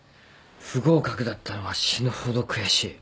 不合格だったのは死ぬほど悔しい。